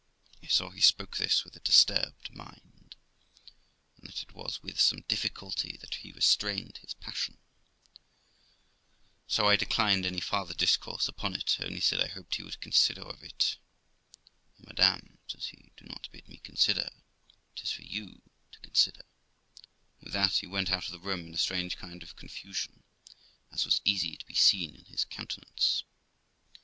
I saw he spoke this with a disturbed mind, and that it was with some difficulty that he restrained his passion, so I declined any farther discourse upon it ; only said I hoped he would consider of it. ' Oh, madam !', says THE LIFE OF ROXANA 287 he, 'do not bid me consider; 'tis for you to consider'; and with that he went out of the room, in a strange kind of confusion, as was easy to be seen in his countenance.